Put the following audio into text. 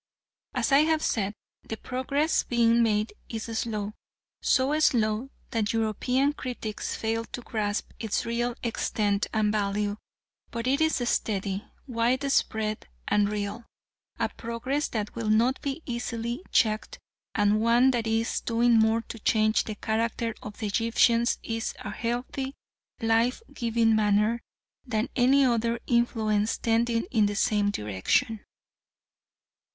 As I have said, the progress being made is slow, so slow that European critics fail to grasp its real extent and value, but it is steady, widespread and real, a progress that will not be easily checked, and one that is doing more to change the character of the Egyptians in a healthy, life giving manner than any other influence tending in the same direction.